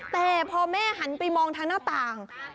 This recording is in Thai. แต่พอแม่หันไปดูในหน้าต่าง